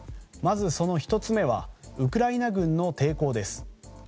まず、その１つ目はウクライナ軍の抵抗です。